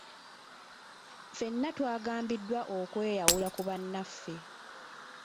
Ffenna twagambiddwa okweyawula ku bannaffe.